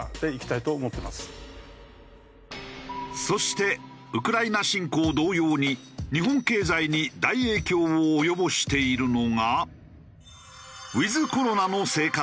そしてウクライナ侵攻同様に日本経済に大影響を及ぼしているのが。